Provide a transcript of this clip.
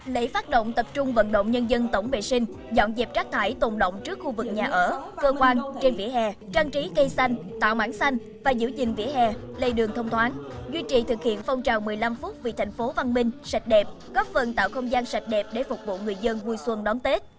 lễ phát động tập trung vận động nhân dân tổng vệ sinh dọn dẹp rác thải tồn động trước khu vực nhà ở cơ quan trên vỉa hè trang trí cây xanh tạo mảng xanh và giữ gìn vỉa hè lây đường thông thoáng duy trì thực hiện phong trào một mươi năm phút vì thành phố văn minh sạch đẹp góp phần tạo không gian sạch đẹp để phục vụ người dân vui xuân đón tết